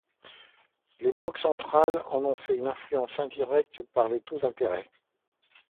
Les banques centrales ont en fait une influence indirecte par les taux d'intérêt.